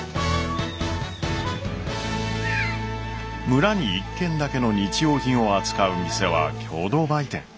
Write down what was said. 村に一軒だけの日用品を扱う店は共同売店。